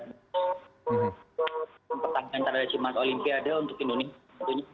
dan pertengahan tradisional olimpiade untuk tim indonesia